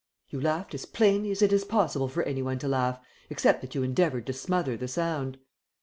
"You laughed as plainly as it is possible for any one to laugh, except that you endeavoured to smother the sound."